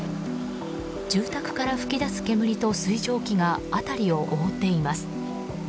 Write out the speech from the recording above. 住宅から噴き出す煙と水蒸気が辺りを覆っています。